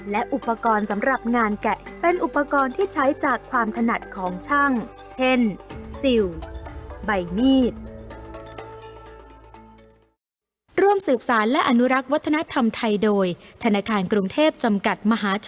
และอุปกรณ์สำหรับงานแกะเป็นอุปกรณ์ที่ใช้จากความถนัดของช่างเช่นซิลใบมีด